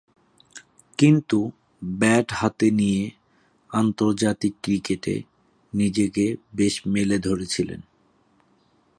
কিন্তু, ব্যাট হাতে নিয়ে আন্তর্জাতিক ক্রিকেটে নিজেকে বেশ মেলে ধরেছিলেন।